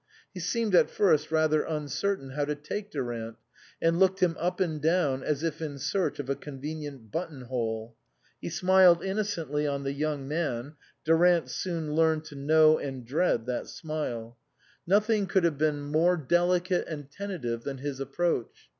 He seemed at first rather uncertain how to take Durant, and looked him up and down as if in search of a convenient button hole ; he smiled innocently on the young man (Durant soon learned to know and dread that smile) ; nothing could have been more 11 THE COSMOPOLITAN delicate and tentative than his approach.